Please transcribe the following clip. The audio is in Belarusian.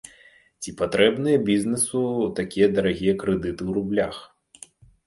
Ці патрэбныя бізнэсу такія дарагія крэдыты ў рублях?